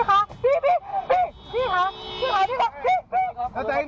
อาจารย์ไม่เล่นแรกเดี๋ยว